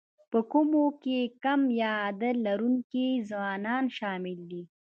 په کومو کې کم عاید لرونکي ځوانان شامل دي